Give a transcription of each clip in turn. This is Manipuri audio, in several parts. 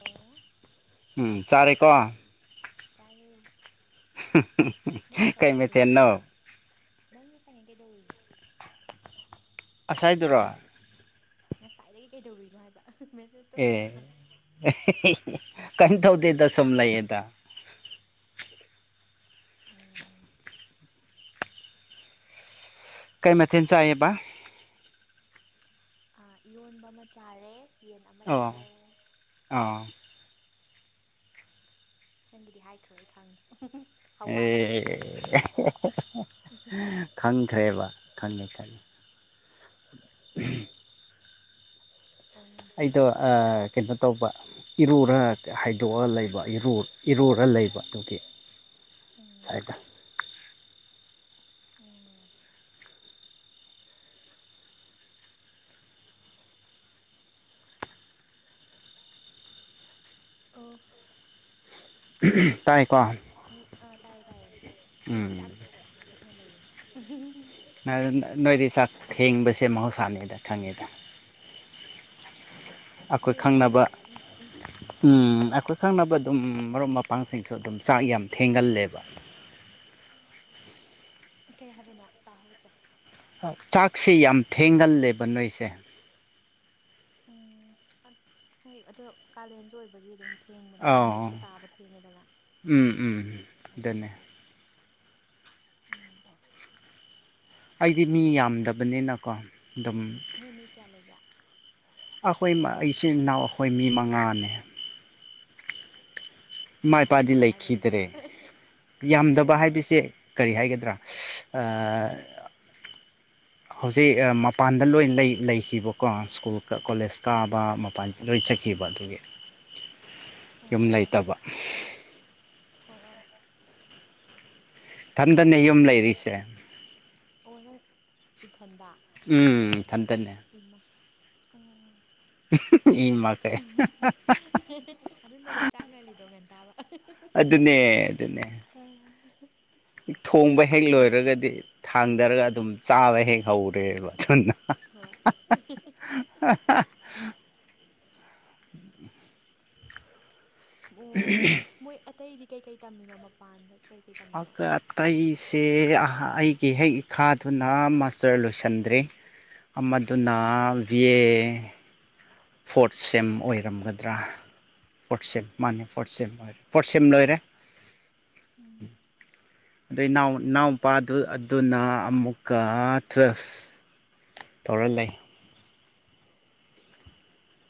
ꯑꯣ ꯎꯝ ꯆꯔꯀꯣ ꯆꯔꯦ ꯀꯩꯃꯦ ꯊꯅꯣ ꯅꯪꯅ ꯁꯪꯉꯦ ꯀꯩꯗꯧꯔꯤꯅꯣ ꯑꯁꯥꯏꯗꯨꯔꯣ ꯉꯁꯥꯏꯗꯒꯤ ꯀꯩꯗꯧꯔꯤꯅꯣ ꯍꯥꯏꯕ ꯃꯦꯁꯦꯖꯇꯣ ꯊꯥꯔꯝꯃꯒ ꯀꯩꯅ ꯊꯧꯗ ꯇ ꯁꯣꯝꯂ ꯌꯦꯗ ꯎꯝ ꯀꯩ ꯃꯊꯦꯜ ꯆꯥꯏꯑꯦꯕ ꯏꯔꯣꯟꯕ ꯑꯃ ꯆꯥꯔꯦ ꯌꯦꯟ ꯑꯃ ꯆꯥꯔꯦ ꯑꯥ ꯅꯪꯒꯤꯗꯤ ꯍꯥꯏꯈ꯭ꯔꯦ ꯑꯩ ꯈꯪꯉꯦ ꯍꯋꯥꯏ ꯑꯦ ꯈꯪꯈ꯭ꯔꯦꯕ ꯈꯪꯉꯦ ꯈꯪꯉꯤ ꯑꯥ ꯑꯩꯗꯣ ꯑ ꯀꯩꯅꯣ ꯇꯧꯕ ꯏꯔꯨꯔ ꯍꯥꯏꯗꯣꯛꯑ ꯂꯩꯕ ꯏꯔꯨꯔ ꯂꯩꯕ ꯑꯗꯨꯗꯤ ꯎꯝ ꯁꯥꯏꯗ ꯎꯝ ꯑꯣꯐ ꯇꯥꯏꯀꯣ ꯅꯣꯏ ꯑꯥ ꯇꯥꯏꯌꯦ ꯇꯥꯏꯌꯦ ꯅꯣꯏꯗꯤ ꯎꯝ ꯆꯥꯛꯇꯣꯛꯒ ꯌꯥꯝ ꯊꯦꯡꯅ ꯂꯩꯌꯦ ꯑꯗꯨꯝ ꯅꯣꯏꯗꯤ ꯆꯥꯛ ꯊꯦꯡꯕꯁꯦ ꯃꯍꯧꯁꯥꯅꯤꯗ ꯈꯪꯉꯤꯗ ꯑꯩꯈꯣꯏ ꯑꯩꯈꯣꯏꯔꯣꯝꯒꯤꯔꯣ ꯈꯪꯅꯕ ꯍꯥꯏꯁꯦ ꯑꯗꯨꯝ ꯑꯩꯈꯣꯏ ꯈꯪꯅꯕ ꯑꯗꯨꯝ ꯃꯔꯨꯞꯄ ꯄꯥꯡꯁꯤꯡꯁꯨ ꯑꯗꯨꯝ ꯆꯥꯛ ꯌꯥꯝ ꯊꯦꯡꯒꯜꯂꯦꯕ ꯀꯔꯤ ꯍꯥꯏꯕꯅꯣ ꯇꯥꯍꯧꯗ꯭ꯔꯦ ꯆꯥꯛꯁꯦ ꯌꯥꯝ ꯊꯦꯡꯒꯜꯂꯦꯕ ꯅꯣꯏꯁꯦ ꯎꯝ ꯍꯣꯏ ꯑꯗꯣ ꯀꯥꯂꯦꯟꯁꯨ ꯑꯣꯏꯕꯒꯤ ꯑꯗꯨꯝ ꯊꯦꯡꯕꯅꯤꯗ ꯑꯧ ꯅꯨꯃꯤꯠꯁꯨ ꯇꯥꯕ ꯊꯦꯡꯉꯦꯗꯅ ꯎꯝ ꯎꯝ ꯑꯗꯨꯅꯦ ꯑꯗꯨꯗꯨꯒꯤ ꯎꯝ ꯑꯩꯗꯤ ꯃꯤ ꯌꯥꯝꯗꯕꯅꯤꯅꯀꯣ ꯑꯗꯨꯝ ꯅꯣꯏ ꯃꯤ ꯀꯌꯥ ꯂꯩꯒꯦ ꯑꯩꯈꯣꯏ ꯏꯆꯤꯟ ꯏꯅꯥꯎ ꯑꯩꯈꯣꯏ ꯃꯤ ꯃꯉꯥꯅꯦ ꯏꯃꯥ ꯏꯄꯥꯗꯤ ꯌꯥꯝꯗꯕ ꯍꯥꯏꯕꯗꯨꯗ ꯂꯩꯈꯤꯗ꯭ꯔꯦ ꯑꯣ ꯌꯥꯝꯗꯕ ꯍꯥꯏꯕꯁꯦ ꯀꯔꯤ ꯍꯥꯏꯒꯗ꯭ꯔꯥ ꯑꯥ ꯍꯧꯖꯤꯛ ꯃꯄꯥꯟꯗ ꯂꯣꯏ ꯂꯩꯈꯤꯕꯀꯣ ꯁ꯭ꯀꯨꯜ ꯀꯣꯂꯦꯖ ꯀꯥꯕ ꯃꯄꯥꯟ ꯂꯣꯏ ꯆꯠꯈꯤꯕ ꯑꯗꯨꯒꯤ ꯑꯣ ꯌꯨꯝ ꯂꯩꯇꯕ ꯑꯣ ꯑꯣ ꯑꫭ ꯏꯊꯟꯗꯅ ꯌꯨꯝ ꯂꯩꯔꯤꯁꯦ ꯑꯣ ꯅꯪ ꯏꯊꯟꯗ ꯎꯝ ꯏꯊꯟꯇꯅꯦ ꯏꯃꯥ ꯑꯣ ꯏ ꯃꯥ [unintelligible] ꯑꯗꯨꯅꯅꯤ ꯆꯥꯛ ꯉꯜꯂꯤꯗꯣ ꯉꯟꯇꯥꯕ ꯑꯗꯨꯅꯦ ꯑꯗꯨꯅꯦ ꯑꯥ ꯊꯣꯡꯕ ꯍꯦꯛ ꯂꯣꯏꯔꯒꯗꯤ ꯊꯥꯡꯊꯔꯒ ꯑꯗꯨꯝ ꯆꯥꯕ ꯍꯦꯛ ꯍꯧꯔꯦꯕ ꯑꯗꯨꯅ ꯍꯣꯏ ꯑ [unintelligible] ꯑ [unintelligible] ꯑꯣ ꯃꯣꯏ ꯑꯇꯩꯗꯤ ꯀꯩꯀꯩ ꯇꯝꯃꯤꯅꯣ ꯃꯄꯥꯟꯗ ꯀꯩ ꯑꯣꯒ [unintelligible] ꯑꯩꯁꯦ ꯑꯩꯒꯤ ꯍꯦꯛ ꯏꯈꯥꯗꯨꯅ ꯃꯥꯁꯇꯔ ꯂꯣꯏꯁꯟꯗ꯭ꯔꯤ ꯑꯃꯗꯨꯅ ꯕꯤ ꯑꯦ ꯐꯣꯔꯠ ꯁꯦꯝ ꯑꯣꯏꯔꯝꯒꯗ꯭ꯔꯥ ꯐꯣꯔꯠ ꯁꯦꯝꯝ ꯃꯥꯅꯦ ꯐꯣꯔꯠ ꯁꯤꯝ ꯂꯣꯏꯔꯦ ꯐꯣꯔꯠ ꯁꯤꯝ ꯂꯣꯏꯔꯦ ꯎꯝ ꯑꯗꯩ ꯅꯥꯎ ꯑꯣ ꯅꯥꯎ ꯅꯨꯄꯥꯗꯨ ꯑꯗꯨꯅ ꯑꯃꯨꯛꯀ ꯇꯨꯋꯦꯜꯐ ꯇꯩꯔ ꯂꯩ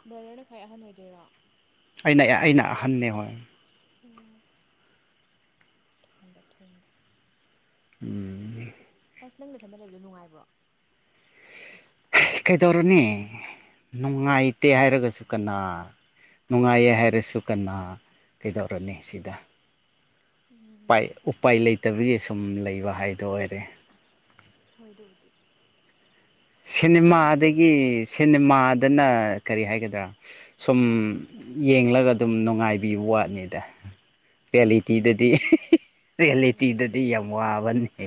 ꯕ꯭ꯔꯗꯔꯅ ꯈ꯭ꯋꯥꯏ ꯑꯍꯟ ꯑꯣꯏꯗꯣꯏꯔꯣ ꯑꯩꯅ ꯑꯩꯅ ꯑꯍꯟꯅꯦ ꯍꯣꯏ ꯑꯣ ꯊꯣꯡꯗ ꯊꯣꯡꯗ ꯎꯝ ꯑꯁ ꯅꯪ ꯅꯊꯟꯗ ꯂꯩꯕꯗꯣ ꯅꯨꯡꯉꯥꯏꯕ꯭ꯔꯣ ꯃꯊꯛꯇ ꯃꯊꯛꯇ ꯀꯩꯗꯧꯔꯅꯤ ꯅꯀꯣꯛ ꯃꯌꯥꯗ ꯅꯨꯡꯉꯥꯏꯇꯦ ꯍꯥꯏꯔꯒꯁꯨ ꯀꯅꯥ ꯅꯨꯡꯉꯥꯏꯌꯦ ꯍꯥꯏꯔꯁꯨ ꯀꯟꯅꯥ ꯀꯩꯗꯧꯔꯨꯅꯤ ꯁꯤꯗ ꯎꯝ ꯎꯄꯥꯏ ꯎꯄꯥꯏ ꯂꯩꯇꯕꯒꯤ ꯁꯨꯝ ꯂꯩꯕ ꯍꯥꯏꯗꯣ ꯑꯣꯏꯔꯦ ꯍꯣꯏ ꯑꯗꯨꯕꯨꯗꯤ ꯅꯣꯏ ꯁꯦꯅꯦꯃꯥꯗꯒꯤ ꯁꯦꯅꯦꯃꯥꯗꯅ ꯀꯔꯤ ꯍꯥꯏꯒꯗ꯭ꯔꯥ ꯁꯨꯝ ꯌꯦꯡꯂꯒ ꯑꯗꯨꯝ ꯅꯨꯡꯉꯥꯏꯕꯤꯕ ꯋꯥꯠꯅꯤꯗ ꯔ‌ꯦꯜꯂꯤꯇꯤꯗꯗꯤ ꯎꯝ ꯔ‌ꯦꯜꯂꯤꯇꯤꯗꯗꯤ ꯌꯥꯝ ꯋꯥꯕꯅꯦ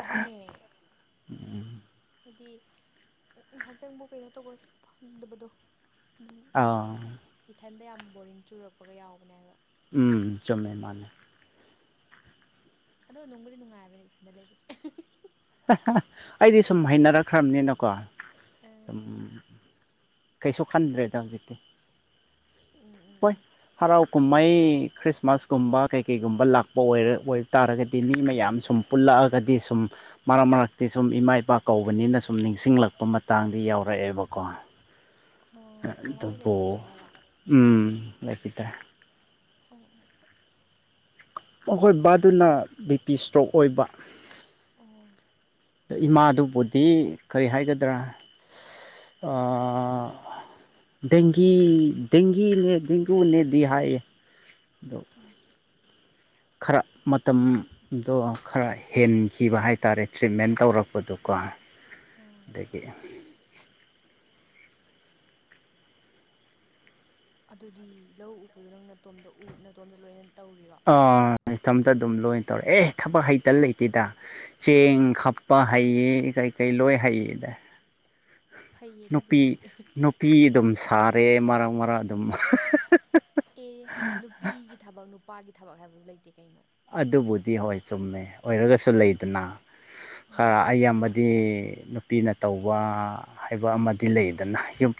ꯑꯗꯨꯅꯦ [unintelligible] ꯍꯥꯏꯗꯤ ꯍꯥꯏꯍꯥꯛꯇꯪꯕꯨꯛ ꯀꯩꯅꯣ ꯇꯧꯕ ꯐꯪꯗꯕꯗꯣ ꯑꯥ ꯏꯊꯟꯗ ꯌꯥꯝ ꯕꯣꯔꯤꯡ ꯆꯨꯔꯛꯄꯒ ꯌꯥꯎꯕꯅꯦꯕ ꯎꯝ ꯆꯨꯝꯃꯦ ꯃꯥꯅꯦ ꯑꯗꯣ ꯅꯨꯡꯕꯨꯗꯤ ꯅꯨꯡꯉꯥꯏꯕꯅꯦ ꯏꯊꯟꯗ ꯂꯩꯕꯁꯦ ꯑꯩꯗꯤ ꯁꯨꯝ ꯍꯩꯅꯔꯛꯈ꯭ꯔꯕꯅꯤꯅꯀꯣ ꯑ ꯁꯨꯝ ꯀꯩꯁꯨ ꯈꯟꯗ꯭ꯔꯦꯗ ꯍꯧꯖꯤꯛꯇꯤ ꯎꯝ ꯎꯝ ꯍꯣꯏ ꯎꯝ ꯍꯔꯥꯎ ꯀꯨꯝꯍꯩ ꯈ꯭ꯔꯤꯁꯃꯥꯁꯀꯨꯝꯕ ꯀꯩ ꯀꯩꯒꯨꯝꯕ ꯂꯥꯛꯄ ꯑꯣꯏ ꯇꯥꯔꯒꯗꯤ ꯃꯤ ꯃꯌꯥꯝ ꯁꯨꯝ ꯄꯨꯜꯂꯛꯑꯒꯗꯤ ꯁꯨꯝ ꯃꯔꯛ ꯃꯔꯛꯇꯤ ꯁꯨꯝ ꯏꯃꯥ ꯏꯄꯥ ꯀꯧꯕꯅꯤꯅ ꯁꯨꯝ ꯅꯤꯡꯁꯤꯡꯂꯛꯄ ꯃꯇꯥꯡꯗꯤ ꯌꯥꯎꯔꯛꯑꯦꯕꯀꯣ ꯑꯣ ꯃꯃꯥ ꯍꯣꯏ ꯕꯣ ꯂꯩꯈꯤꯗ꯭ꯔꯦ ꯍꯥꯏꯔꯣ ꯎꯝ ꯂꯩꯄꯤꯗ ꯑꯣ ꯑꯣ ꯃꯈꯣꯏ ꯕꯥꯗꯨꯅ ꯕꯤ ꯄꯤ ꯏꯁꯇ꯭ꯔꯣꯛ ꯑꯣꯏꯕ ꯑꯣ ꯏꯃꯥꯗꯨꯕꯨꯗꯤ ꯀꯔꯤ ꯍꯥꯏꯒꯗ꯭ꯔꯥ ꯑꯥ ꯗꯦꯡꯒꯤ ꯗꯦꯡꯒꯤ ꯗꯦꯡꯒꯨꯅꯦꯗꯤ ꯍꯥꯏꯌꯦ ꯎꯝ ꯈꯔ ꯃꯇꯝꯗꯣ ꯈꯔ ꯍꯦꯟꯈꯤꯕ ꯍꯥꯏꯇꯥꯔꯦ ꯇ꯭ꯔꯤꯠꯃꯦꯟ ꯇꯧꯔ ꯇꯧꯔꯛꯄꯥꯗꯨ ꯀꯣ ꯑꯥ [unintelligible] ꯑꯗꯨꯗꯤ ꯂꯧ ꯎꯕꯄꯗꯨ ꯅꯪ ꯅꯇꯣꯝꯗ ꯎ ꯅꯇꯣꯝꯗ ꯂꯣꯏꯅ ꯇꯧꯔꯤꯔꯣ ꯑꯥ ꯏꯊꯣꯝꯇ ꯑꯗꯨꯝ ꯂꯣꯏꯅ ꯇꯧꯔꯦ ꯑꯦ ꯊꯕꯛ ꯍꯩꯇꯥ ꯂꯩꯇꯦꯗ ꯆꯦꯡ ꯈꯞꯄ ꯍꯩꯌꯦ ꯀꯩꯀꯩ ꯂꯣꯏ ꯍꯩꯌꯦꯗ ꯐꯩꯌꯦ ꯅꯨꯄꯤ ꯑꯗꯨꯕꯨꯗꯤ ꯅꯨꯄꯤ ꯑꯗꯨꯝ ꯁꯥꯔꯦ ꯃꯔꯛ ꯃꯔꯛ ꯑꯗꯨꯝ ꯑꯦ ꯅꯨꯄꯤꯒꯤ ꯊꯕꯛ ꯅꯨꯄꯥꯒꯤ ꯊꯕꯛ ꯍꯥꯏꯕꯁꯨ ꯂꯩꯇꯦ ꯀꯩꯅꯣ ꯑꯗꯨꯕꯨꯗꯤ ꯍꯣꯏ ꯆꯨꯝꯃꯦ ꯑꯣꯏꯔꯒꯁꯨ ꯂꯩꯗꯅ ꯈꯔ ꯎꯝ ꯑꯌꯥꯝꯕꯗꯤ ꯅꯨꯄꯤꯅ ꯇꯧꯕ ꯍꯥꯏꯕ ꯑꯃꯗꯤ ꯂꯩꯗꯅꯨꯝ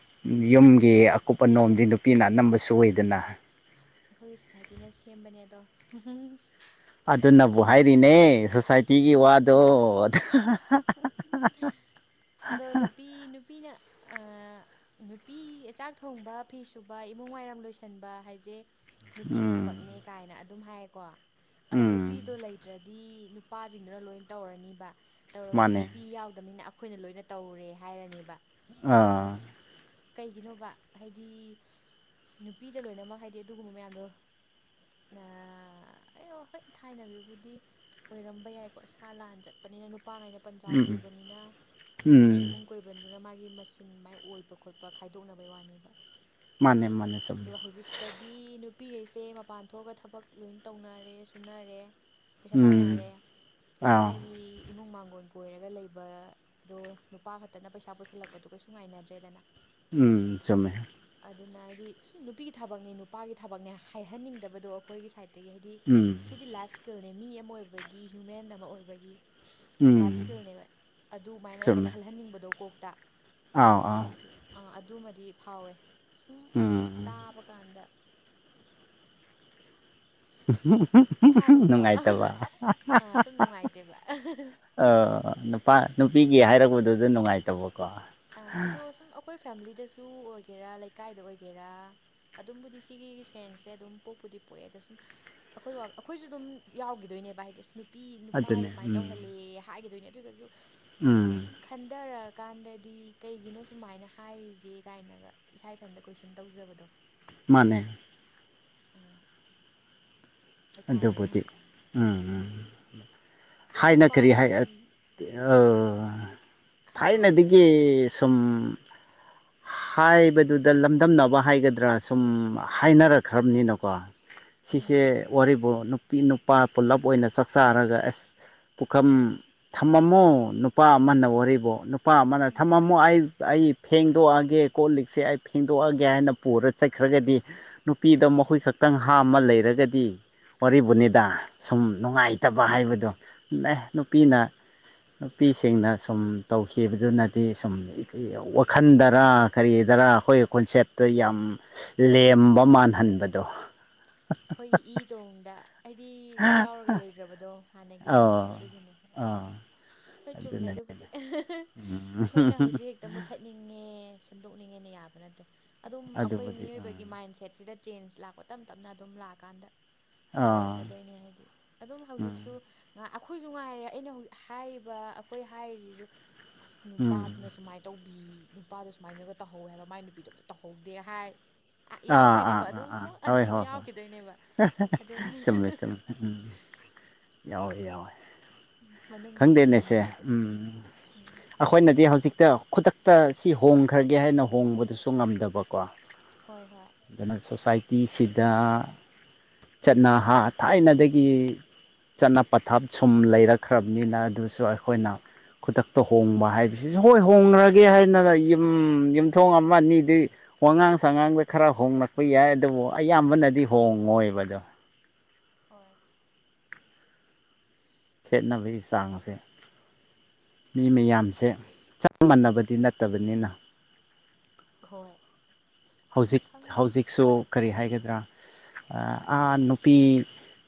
ꯌꯨꯝꯒꯤ ꯑꯀꯨꯞꯄ ꯅꯣꯝꯗꯤ ꯅꯨꯄꯤꯅ ꯑꯅꯝꯕꯁꯨ ꯑꯣꯏꯗꯅ ꯑꯩꯈꯣꯏꯒꯤ ꯁꯣꯁꯥꯏꯇꯤꯅ ꯁꯦꯝꯕꯅꯦ ꯑꯗꯣ ꯑꯗꯨꯅꯕꯨ ꯍꯥꯏꯔꯤꯅꯦ ꯁꯣꯁꯥꯏꯇꯤꯒꯤ ꯋꯥꯗꯣ [unintelligible] ꯑꯥꯗꯣ ꯅꯨꯄꯤ ꯅꯨꯄꯤꯅ ꯅꯨꯄꯤ ꯆꯥꯛ ꯊꯣꯡꯕ ꯐꯤ ꯁꯨꯕ ꯏꯃꯨꯡ ꯋꯥꯏꯔꯝ ꯂꯣꯏꯁꯟꯕ ꯍꯥꯏꯁꯦ ꯅꯨꯄꯤꯒꯤ ꯎꯝ ꯊꯕꯛꯅꯦ ꯀꯥꯏꯅ ꯑꯗꯨꯝ ꯍꯥꯏꯌꯦꯀꯣ ꯑꯗꯣ ꯎꯝ ꯅꯨꯄꯤꯗꯣ ꯂꯩꯇ꯭ꯔꯗꯤ ꯅꯨꯄꯥꯁꯤꯡꯗꯨꯅ ꯂꯣꯏꯅ ꯇꯧꯔꯅꯤꯕ ꯇꯧꯔꯒ ꯑꯁ ꯃꯥꯅꯦ ꯅꯨꯄꯤ ꯌꯥꯎꯗꯕꯅꯤꯅ ꯑꯩꯈꯣꯏꯅ ꯂꯣꯏꯅ ꯇꯧꯔꯦ ꯍꯥꯏꯔꯅꯦꯕ ꯑꯗꯣ ꯑꯥ ꯀꯩꯒꯤꯅꯣꯕ ꯍꯥꯏꯗꯤ ꯅꯨꯄꯤꯗ ꯂꯣꯏꯅꯃꯛ ꯍꯥꯏꯗꯤ ꯑꯗꯨꯒꯨꯝꯕ ꯃꯌꯥꯝꯗꯣ ꯑꯩ ꯍꯣꯏ ꯊꯥꯏꯅꯒꯤꯕꯨꯗꯤ ꯑꯣꯏꯔꯝꯕ ꯌꯥꯏꯀꯣ ꯁꯥꯥ ꯂꯥꯟ ꯆꯠꯄꯅꯤꯅ ꯅꯨꯄꯥꯉꯥꯏꯅ ꯄꯟꯖꯥꯎ ꯎꯝ ꯎꯝ ꯄꯨꯕꯅꯤꯅ ꯅꯨꯄꯤꯅ ꯎꯝ ꯏꯃꯨꯡ ꯀꯣꯏꯕꯟꯗꯨꯅ ꯃꯥꯒꯤ ꯃꯁꯤꯡꯆꯤꯟ ꯃꯥꯏ ꯑꯣꯏꯕ ꯈꯣꯠꯄ ꯈꯥꯏꯗꯣꯛꯅꯕꯩ ꯋꯥꯅꯦꯕ ꯃꯥꯅꯦ ꯃꯥꯅꯦ ꯆꯨꯝꯃꯦ ꯑꯗꯨꯒ ꯍꯧꯖꯤꯛ ꯑꯗꯗꯤ ꯅꯨꯄꯤꯈꯩꯁꯦ ꯃꯄꯥꯟ ꯊꯣꯛꯑꯒ ꯊꯕꯛ ꯂꯣꯏ ꯇꯧꯅꯔꯦ ꯁꯨꯅꯔꯦ ꯄꯩꯁꯥ ꯎꯝ ꯇꯥꯟꯅꯔꯦ ꯑꯥꯎ ꯊꯥꯏꯅꯒꯤ ꯏꯃꯨꯡ ꯃꯥꯡꯒꯣꯟ ꯀꯣꯏꯔꯒ ꯂꯩꯕ ꯑꯗꯣ ꯅꯨꯄꯥ ꯈꯛꯇꯅ ꯄꯩꯁꯥ ꯄꯨꯁꯜꯂꯛꯄꯗꯨꯣ ꯀꯩꯁꯨ ꯉꯥꯏꯅꯗ꯭ꯔꯦꯗꯅ ꯎꯝ ꯆꯨꯝꯃꯦ ꯑꯗꯨꯅ ꯍꯥꯏꯗꯤ ꯁꯨꯝ ꯅꯨꯄꯤꯒꯤ ꯊꯕꯛꯅꯦ ꯅꯨꯄꯥꯒꯤ ꯊꯕꯛꯅꯦ ꯍꯥꯏꯍꯟꯅꯤꯡꯗꯕꯗꯣ ꯑꯩꯈꯣꯏꯒꯤ ꯁꯥꯏꯠꯇ ꯑꯗꯒꯤ ꯍꯥꯏꯗꯤ ꯎꯝ ꯑꯁꯤꯗꯤ ꯂꯥꯏꯐ ꯁ꯭ꯀꯤꯜꯅꯦ ꯃꯤ ꯑꯃ ꯑꯣꯏꯕꯒꯤ ꯍ꯭ꯌꯨꯃꯦꯟ ꯑꯃ ꯑꯣꯏꯕꯒꯤ ꯎꯝ ꯂꯥꯏꯞ ꯏꯁꯀꯤꯜꯅꯦꯕ ꯑꯗꯨꯃꯥꯏꯅ ꯑꯩꯅ ꯆꯨꯝꯃꯦ ꯈꯜꯍꯟꯅꯤꯡꯕꯗꯣ ꯀꯣꯛꯇ ꯑꯥꯎ ꯑꯥꯎ ꯑꯗꯨ ꯑꯗꯨꯃꯗꯤ ꯐꯥꯎꯋꯦ ꯁꯨꯝ ꯎꯝ ꯇꯥꯕꯀꯥꯟꯗ ꯁꯨꯝ ꯍꯥꯏꯕꯅꯤꯀꯣ ꯅꯨꯡꯉꯥꯏꯇꯥꯕ ꯑꯥ ꯁꯨꯝ ꯅꯨꯡꯉꯥꯏꯇꯦꯕ ꯅꯨꯄꯥ ꯅꯨꯄꯤꯒꯤ ꯍꯥꯏꯔꯛꯄꯗꯨꯗ ꯅꯨꯡꯉꯥꯏꯇꯕꯀꯣ꯫ ꯑ ꯑꯗꯣ ꯁꯨꯝ ꯑꯈꯣꯏ ꯐꯦꯃꯤꯂꯤꯗꯁꯨ ꯑꯣꯏꯒꯦꯔꯥ ꯂꯩꯀꯥꯏꯗ ꯑꯣꯏꯒꯦꯔꯥ ꯑꯗꯨꯝꯕꯨꯗꯤ ꯁꯤꯒꯤ ꯁꯦꯟꯁꯁꯦ ꯑꯗꯨꯝ ꯄꯣꯛꯄꯨꯗꯤ ꯄꯣꯛꯑꯦ ꯑꯗ ꯁꯨꯝ ꯑꯩꯈꯣꯏꯋꯥ ꯑꯩꯈꯣꯏꯁꯨ ꯑꯗꯨꯝ ꯌꯥꯎꯈꯤꯗꯣꯏꯅꯦꯕ ꯍꯥꯏꯗꯤꯁ ꯅꯨ ꯅꯨꯄꯤ ꯅꯨꯄꯥ ꯑꯗꯨꯅꯦ ꯑꯗꯨꯃꯥꯏꯅ ꯎꯝ ꯇꯧꯍꯜꯂꯦ ꯍꯥꯏꯒꯗꯣꯏꯅꯦ ꯑꯗꯨꯒꯁꯨ ꯁꯨꯝ ꯎꯝ ꯈꯟꯊꯔꯛꯑꯀꯥꯟꯗ ꯗꯤ ꯀꯩꯒꯤꯅꯣ ꯁꯨꯃꯥꯏꯅ ꯍꯥꯏꯔꯤꯁꯦ ꯀꯥꯏꯅꯒ ꯏꯁꯥ ꯏꯊꯟꯇ ꯀꯣꯏꯁꯟ ꯇꯧꯖꯕꯗꯣ ꯃꯅꯦ꯫ ꯑꯥ ꯍꯥꯏꯇꯥꯔꯦꯅꯦ ꯑꯗꯨꯕꯨꯗꯤ ꯎꯝ ꯑꯥ ꯎꯝ ꯑꯗꯨꯝ ꯊꯥꯏꯅ ꯅꯨꯄꯥ ꯀꯔꯤ ꯍꯥꯏ ꯑ ꯅꯨꯄꯤ ꯍꯥꯏꯔꯛꯑꯣ ꯊꯥꯏꯅꯗꯤ ꯒꯤ ꯁꯨꯝ ꯍꯥꯏꯕꯗꯨꯗ ꯂꯝꯗꯝꯅꯕ ꯍꯥꯏꯒꯗ꯭ꯔꯥ ꯁꯨꯝ ꯍꯥꯏꯅꯔꯛꯈ꯭ꯔꯅꯤꯅꯀꯣ ꯎꯝ ꯁꯤꯁꯦ ꯋꯥꯔꯤꯕꯨ ꯅꯨꯄꯤ ꯅꯨꯄꯥ ꯄꯨꯜꯂꯞ ꯑꯣꯏꯅ ꯆꯥꯛꯆꯥꯥꯔꯒ ꯑꯦꯁ ꯄꯨꯈꯝ ꯊꯝꯃꯝꯃꯣ ꯅꯨꯄꯥ ꯑꯃꯅ ꯋꯥꯔꯤꯕꯣ? ꯅꯨꯄꯥ ꯑꯃꯅ ꯎꯝ ꯎꯝ ꯊꯝꯃꯝꯃꯣ ꯑꯩ ꯑꯩ ꯐꯦꯡ ꯐꯦꯡꯗꯣꯛꯑꯒꯦ ꯀꯣꯜ ꯂꯤꯛꯁꯦ ꯑꯩ ꯐꯦꯡꯗꯣꯛꯑꯒꯦ ꯍꯥꯏꯅ ꯄꯨꯔ ꯆꯠꯈ꯭ꯔꯒꯗꯤ ꯅꯨꯄꯤꯗ ꯃꯈꯨꯠ ꯈꯛꯇꯪ ꯍꯥꯝꯃ ꯂꯩꯔꯒꯗꯤ ꯎꯝ ꯋꯥꯔꯤꯕꯨꯅꯤꯗꯥ ꯁꯨꯝ ꯅꯨꯡꯉꯥꯏꯇꯕ ꯍꯥꯏꯕꯗꯣ ꯑꯦ ꯅꯨꯄꯤꯅ ꯅꯨꯄꯤꯁꯤꯡꯅ ꯁꯨꯝ ꯇꯧꯈꯤꯕꯗꯨꯅꯗꯤ ꯁꯨꯝ ꯋꯥꯈꯜꯗ ꯔꯥ ꯀꯔꯤꯒꯤꯗꯔꯥ ꯑꯩꯈꯣꯏꯒꯤ ꯀꯣꯟꯁꯦꯞꯇꯣ ꯌꯥꯝ ꯂꯦꯝꯕ ꯃꯥꯅꯦ ꯃꯥꯟꯍꯟꯕꯗꯣ ꯑꯩꯈꯣꯏꯒꯤ ꯏ ꯇꯣꯡꯗ ꯍꯥꯏꯗꯤ ꯑꯗꯨꯝ ꯌꯥꯎꯔꯒ ꯂꯩꯈ꯭ꯔꯕꯗꯣ ꯍꯥꯟꯅꯒꯤ ꯑꯧ ꯁꯦꯟꯁꯇꯣ ꯑꯗꯨꯒꯤꯅꯦ꯫ ꯑꯥ ꯍ‌ꯣꯏ ꯆꯨꯝꯃꯦ ꯑꯗꯨꯅꯦ ꯑꯗꯨꯕꯨꯗꯤ ꯎꯝ ꯑꯩꯈꯣꯏꯅ ꯍꯧꯖꯤꯛ ꯇ ꯃꯨꯠꯊꯠꯅꯤꯡꯉꯦ ꯁꯦꯝꯗꯣꯛꯅꯤꯡꯉꯦꯅ ꯌꯥꯕ ꯅꯠꯇꯦ ꯑꯗꯨꯝ ꯑꯈꯣꯏ ꯑꯗꯨꯕꯨꯗꯤ ꯎꯝ ꯃꯤꯑꯣꯏꯕꯒꯤ ꯃꯥꯏꯟ ꯁꯦꯠꯁꯤꯗ ꯆꯦꯟꯖ ꯂꯥꯛꯄ ꯇꯞ ꯇꯞꯅ ꯑꯗꯨꯝ ꯂꯥꯛꯑꯀꯥꯟꯗ ꯑꯥ ꯑꯣꯏꯔꯛꯀꯗꯣꯏꯅꯦ ꯍꯥꯏꯗꯤ ꯑꯗꯨꯝ ꯎꯝ ꯍꯧꯖꯤꯛꯁꯨ ꯑꯈꯣꯏꯁꯨ ꯉꯥꯏꯔꯦ ꯑꯩꯅ ꯍ ꯍꯥꯏꯔꯤꯕ ꯑꯈꯣꯏ ꯍꯥꯏꯔꯤꯁꯤꯁꯨ ꯑꯁ ꯎꯝ ꯅꯨꯄꯥꯗꯨꯅ ꯁꯨꯃꯥꯏꯅ ꯇꯧꯕꯤ ꯅꯨꯄꯥꯗꯣ ꯁꯨꯃꯥꯏꯅꯒ ꯇꯧꯍꯧꯋꯦ ꯍꯥꯏꯕ ꯃꯥꯏ ꯅꯨꯄꯤꯗꯣ ꯑꯝꯇ ꯇꯧꯍꯧꯗꯦ ꯍꯥꯏ ꯑ ꯑꯥ ꯌꯥꯎꯗꯣꯏꯅꯦꯕ ꯑꯥ ꯑꯥ ꯑꯗꯨꯝ ꯑꯥ ꯍꯣꯏ ꯑꯗꯨꯝ ꯍꯣꯏ ꯍꯣꯏ ꯌꯥꯎꯈꯤꯗꯣꯏꯅꯦꯕ ꯑꯗꯨ ꯆꯨꯝꯃꯦ ꯆꯨꯝꯃꯦ ꯎꯝ ꯌꯥꯎꯋꯦ ꯌꯥꯎꯋꯦ ꯃꯅꯨꯡꯗ ꯁꯨꯝ ꯑꯣꯏꯍꯟꯅꯤꯡꯕꯗꯨꯅꯤ꯫ ꯑꯈꯣꯏꯅꯗꯤ ꯍꯧꯖꯤꯛꯇ ꯈꯨꯗꯛꯇ ꯁꯤ ꯍꯣꯡꯈ꯭ꯔꯒꯦ ꯍꯥꯏꯅ ꯍꯣꯡꯕꯗꯨꯁꯨ ꯉꯝꯗꯕꯀꯣ꯫ ꯍꯣꯏ ꯍꯣꯏ ꯑꯗꯨꯅ ꯁꯣꯁꯥꯏꯇꯤꯁꯤꯗ ꯆꯠꯅꯍꯥ ꯊꯥꯏꯅꯗꯒꯤ꯫ ꯆꯠꯅ ꯄꯊꯥꯞ ꯁꯨꯝ ꯂꯩꯔꯛꯈ꯭ꯔꯕꯅꯤꯅ ꯑꯗꯨꯁꯨ ꯑꯩꯈꯣꯏꯅ ꯈꯨꯗꯛꯇ ꯍꯣꯡꯕ ꯍꯥꯏꯕꯁꯤꯁꯨ ꯍꯣꯏ ꯍꯣꯡꯅꯔꯒꯦ ꯍꯥꯏꯗꯅ ꯌꯨꯝ ꯌꯨꯝꯊꯣꯡ ꯑꯃ ꯑꯅꯤꯗꯤ ꯋꯥꯉꯥꯡ ꯁꯥꯉꯥꯡꯗ ꯈꯔ ꯍꯣꯡꯂꯛꯄ ꯌꯥꯏ ꯑꯗꯨꯕꯨ ꯑꯌꯥꯝꯕꯅꯗꯤ ꯍꯣꯡꯉꯣꯏꯕꯗꯣ꯫ ꯍꯣꯏ ꯈꯦꯠꯅꯕꯒꯤ ꯆꯥꯡ ꯁꯦ꯫ ꯃꯤ ꯃꯌꯥꯝꯁꯦ ꯆꯞ ꯃꯥꯟꯅꯕꯗꯤ ꯅꯠꯇꯕꯅꯤꯅ ꯈꯣꯏ ꯍꯧꯖꯤꯛ ꯍꯧꯖꯤꯛꯁꯨ ꯀꯔꯤ ꯍꯥꯏꯒꯗ꯭ꯔꯥ ꯑꯥ ꯅꯨꯄꯤ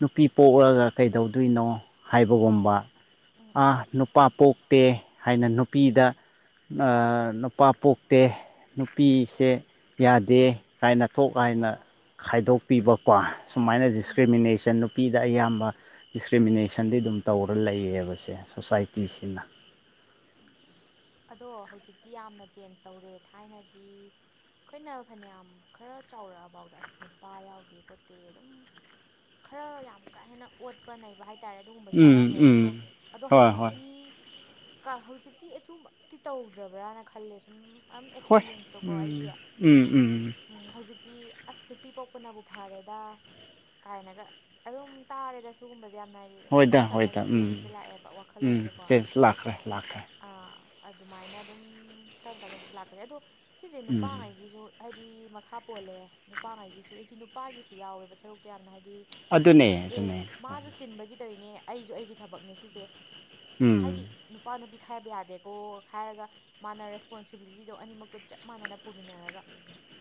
ꯅꯨꯄꯤ ꯄꯣꯛꯔꯒ ꯀꯩꯗꯧꯗꯣꯏꯅꯣ ꯍꯥꯏꯕꯒꯨꯝꯕ ꯎꯝ ꯎꯝ ꯑ ꯎꯝ ꯅꯨꯄꯥ ꯄꯣꯛꯇꯦ ꯍꯥꯏꯅ ꯅꯨꯄꯤꯗ ꯅꯨꯄꯥ ꯄꯣꯛꯇꯦ ꯅꯨꯄꯤꯁꯦ ꯌꯥꯗꯦ ꯍꯣꯏ ꯀꯥꯏꯅ ꯊꯣꯛ ꯍꯣꯏ ꯀꯥꯏꯅ ꯍꯣꯏ ꯎꯝ ꯈꯥꯏꯗꯣꯛꯄꯤꯕꯀꯣ ꯁꯨꯃꯥꯏꯅ ꯎꯝ ꯗꯤꯁꯀ꯭ꯔꯤꯃꯤꯅꯦꯁꯟꯗꯨ ꯅꯨꯄꯤꯗ ꯑꯌꯥꯝꯕ ꯗꯤꯁꯀ꯭ꯔꯤꯃꯤꯅꯦꯁꯟꯗꯤ ꯑꯗꯨꯝ ꯇꯧꯔ ꯂꯩꯌꯦꯕꯁꯦ ꯁꯣꯁꯥꯏꯇꯤ ꯎꯝ ꯑꯗꯣ ꯍꯧꯖꯤꯛꯇꯤ ꯌꯥꯝꯅ ꯆꯦꯟꯖ ꯇꯧꯔꯦ ꯊꯥꯏꯅꯗꯤ ꯑꯩꯈꯣꯏꯅ ꯐꯅꯌꯥꯝ ꯈꯔ ꯆꯥꯎꯔꯛꯑꯐꯥꯎꯗ ꯑꯁ ꯅꯨꯄꯥ ꯌꯥꯎꯗꯦ ꯈꯣꯠꯇꯦ ꯑꯗꯨꯝ ꯈꯔ ꯌꯥꯝ ꯀꯥ ꯍꯦꯟꯅ ꯑꯣꯠꯄ ꯅꯩꯕ ꯍꯥꯏꯇꯥꯔꯦ ꯑꯗꯨꯒꯨꯝꯕ ꯎꯝ ꯇꯥꯔꯝꯃꯦꯕꯀꯣ ꯎꯝ ꯑꯗꯣ ꯍꯣꯏ ꯍꯧꯖꯤꯛ ꯍꯣꯏ ꯇꯤ ꯀ ꯍꯧꯖꯤꯛꯇꯤ ꯑꯗꯨꯃꯛꯇꯤ ꯇꯧꯗ꯭ꯔꯕ꯭ꯔꯥꯅ ꯈꯜꯂꯦ ꯁꯨꯝ ꯑꯝ ꯍꯣꯏ ꯑꯦꯛꯁꯄꯤꯔꯤꯌꯦꯟꯁꯇꯨꯀꯣ ꯑꯩꯒꯤ ꯎꯝ ꯎꯝ ꯎꯝ ꯍꯧꯖꯤꯛꯇꯤ ꯑꯁ ꯅꯨꯄꯤ ꯄꯣꯛꯄꯅꯕꯨ ꯐꯥꯔꯦꯗ ꯀꯥꯏꯅꯒ ꯑꯗꯨꯝ ꯇꯥꯔꯦꯗ ꯁꯤꯒꯨꯝꯕꯁꯦ ꯌꯥꯝꯅ ꯍꯥꯏꯗꯤ ꯑꯗꯨꯝ ꯍꯣꯏꯗ ꯇꯞ ꯍꯣꯏꯗ ꯇꯞꯅꯗꯤ ꯎꯝ ꯆꯦꯟꯖꯁꯦ ꯂꯥꯛꯑꯦꯕ ꯋꯥꯈꯜ ꯎꯝ ꯆꯦꯟꯖ ꯂꯥꯛꯈ꯭ꯔꯦ ꯂꯥꯛꯈ꯭ꯔꯦ ꯑꯥ ꯑꯗꯨꯃꯥꯏꯅ ꯑꯗꯨꯝ ꯇꯞꯅ ꯇꯞꯅꯗꯤ ꯂꯥꯛꯀꯅꯤ ꯑꯗꯣ ꯁꯤꯁꯦ ꯎꯝ ꯅꯨꯄꯥꯉꯩꯒꯤꯁꯨ ꯍꯥꯏꯗꯤ ꯃꯈꯥ ꯄꯣꯜꯂꯦ ꯅꯨꯄꯥꯉꯩꯒꯤꯁꯨ ꯍꯥꯏꯗꯤ ꯅꯨꯄꯥꯒꯤꯁꯨ ꯌꯥꯎꯋꯦꯕ ꯁꯔꯨꯛꯇꯣ ꯌꯥꯝꯅ ꯍꯥꯏꯗꯤ ꯗꯤ ꯑꯗꯨꯅꯦ ꯑꯦ ꯑꯗꯨꯅꯦ ꯃꯥꯁꯨ ꯆꯤꯟꯕꯒꯤ ꯇꯧꯅꯦ ꯑꯩꯁꯨ ꯑꯩꯒꯤ ꯊꯕꯛꯅꯦ ꯁꯤꯁꯦ ꯍꯥꯏꯗꯤ ꯎꯝ ꯅꯨꯄꯥ ꯅꯨꯄꯤ ꯈꯥꯏꯕ ꯌꯥꯗꯦꯀꯣ ꯍꯥꯏꯔꯒ ꯃꯥꯅ ꯔꯦꯁꯄꯣꯟꯁꯤꯕꯤꯂꯤꯇꯤꯗꯣ ꯑꯅꯤꯃꯛꯇꯣ ꯆꯞ ꯃꯥꯟꯅꯅ ꯄꯨꯃꯤꯟꯅꯔꯒ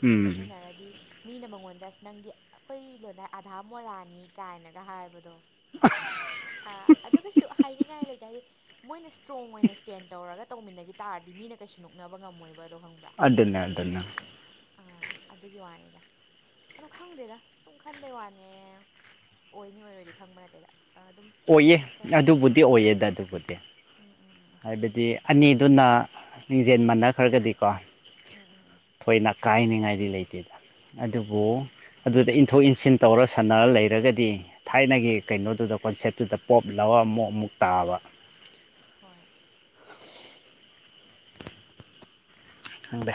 ꯎꯝ ꯆꯠꯃꯤꯟꯅꯔꯗꯤ ꯃꯤꯅ ꯃꯉꯣꯟꯗ ꯑꯁ ꯅꯪꯗꯤ ꯑꯈꯣꯏ ꯂꯣꯟꯗꯥꯏ ꯑꯙꯥ ꯃꯣꯔꯥꯅꯤ ꯀꯥꯏꯅꯒ ꯍꯥꯏꯕꯗꯣ [inaudible] ꯑ ꯑꯗꯨ ꯀꯩꯁꯨ ꯍꯥꯏꯅꯤꯡꯉꯥꯏ ꯂꯩꯇ‌ꯦ ꯍꯥꯏꯗꯤ ꯃꯣꯏꯅ ꯏꯁꯇ꯭ꯔꯣꯡ ꯑꯣꯏꯅ ꯁ꯭ꯇꯦꯟ ꯇꯧꯔꯒ ꯇꯧꯃꯤꯟꯅꯒꯤ ꯇꯥꯔꯗꯤ ꯃꯤꯅ ꯀꯩꯁꯨ ꯅꯣꯛꯅꯕ ꯉꯝꯃꯣꯏꯕꯗꯣ ꯈꯪꯕ꯭ꯔꯥ ꯑꯗꯨꯅ ꯑꯗꯨꯅ ꯑꯥ ꯑꯗꯨꯒꯤ ꯋꯥꯅꯤꯗ ꯑꯗꯨ ꯈꯪꯗꯦꯗ ꯁꯨꯝ ꯈꯟꯕꯩ ꯋꯥꯅꯦ ꯑꯣꯏꯅꯤ ꯑꯣꯏꯔꯣꯏꯗꯤ ꯈꯪꯕ ꯅꯠꯇꯦꯗ ꯑꯗꯨꯝ ꯑꯣꯏꯌꯦ ꯀꯩ ꯍꯥꯏꯗꯣꯏꯅꯣ ꯑꯗꯨꯕꯨꯗꯤ ꯎꯝ ꯑꯣꯏꯌꯦꯗ ꯑꯗꯨꯕꯨꯗꯤ ꯎꯝ ꯎꯝ ꯎꯝ ꯍꯥꯏꯕꯗꯤ ꯑꯅꯤꯗꯨꯅ ꯂꯤꯡꯖꯦꯜ ꯃꯥꯟꯅꯈ꯭ꯔꯒꯗꯤꯀꯣ ꯎꯝ ꯎꯝ ꯎꯝ ꯊꯣꯏꯅ ꯀꯥꯏꯅꯤꯡꯉꯥꯏꯗꯤ ꯂꯩꯇꯦꯗ ꯑꯗꯨꯕꯨ ꯍꯣꯏ ꯑꯗꯨꯗ ꯏꯟꯊꯣꯛ ꯏꯟꯁꯤꯟ ꯇꯧꯔ ꯁꯥꯟꯟꯅꯔ ꯂꯩꯔꯒꯗꯤ ꯊꯥꯏꯅꯒꯤ ꯀꯩꯅꯣꯗꯨꯗ ꯀꯣꯟꯁꯦꯞ ꯇꯨꯗ ꯄꯣꯞ ꯂꯧꯔꯒ ꯑꯃꯨꯛ ꯑꯃꯨꯛ ꯇꯥꯕ ꯍꯣꯏ [inaudible] ꯈꯪꯗꯦ